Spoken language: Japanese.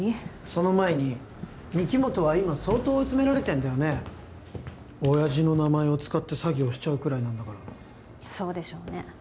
その前に御木本は今相当追い詰められてるんだよね親爺の名前を使って詐欺をしちゃうくらいなんだからそうでしょうね